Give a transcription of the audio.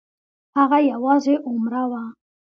هغه یوازې عمره وه.